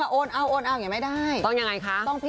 ตัวอย่างที่ดีมีค่ากว่าคำสอน